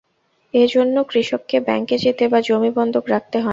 এ জন্য কৃষককে ব্যাংকে যেতে বা জমি বন্ধক রাখতে হয় না।